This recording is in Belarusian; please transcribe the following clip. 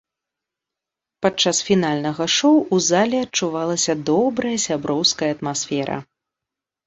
Падчас фінальнага шоу ў зале адчувалася добрая сяброўская атмасфера.